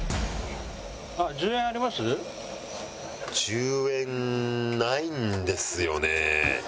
１０円ないんですよね。